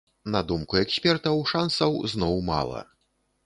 На думку экспертаў, шансаў зноў мала.